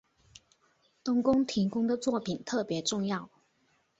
冬宫提供的作品特别重要。